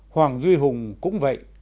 hoàng duy hùng cũng vậy